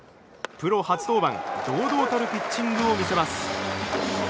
プロ初登板、堂々たるピッチングを見せます。